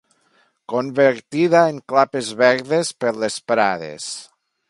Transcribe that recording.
...convertida en clapes verdes per les prades